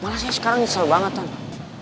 malah saya sekarang nyesel banget tante